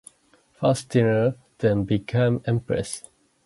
Faustina then became empress.